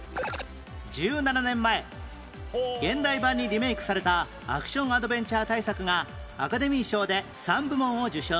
１７年前現代版にリメイクされたアクションアドベンチャー大作がアカデミー賞で３部門を受賞